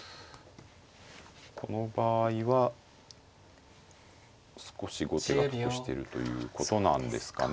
この場合は少し後手が得してるということなんですかね。